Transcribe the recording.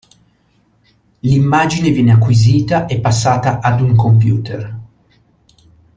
L'immagine viene acquisita e passata ad un computer.